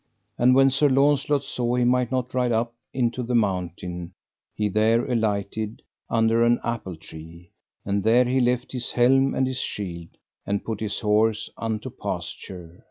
And when Sir Launcelot saw he might not ride up into the mountain, he there alighted under an apple tree, and there he left his helm and his shield, and put his horse unto pasture.